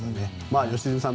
良純さん